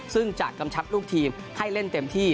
ซึ่งจะกำชับลูกทีมให้เล่นเต็มที่